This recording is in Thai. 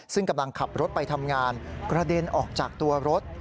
ซึ่งกำลังขับรถไปทำงานกระเด็นออกจากตัวรถ